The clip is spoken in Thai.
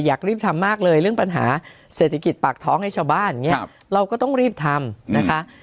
อยากรีบทำมากเลยเรื่องปัญหาเศรษฐกิจปากท้องให้ชาวบ้านอย่างนี้เราก็ต้องรีบทำนะคะ